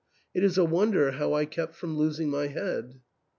It is a wonder how I kept from losing my head.